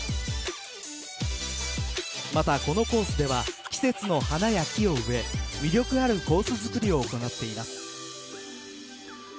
またこのコースでは季節の花や木を植え魅力あるコース作りを行っています。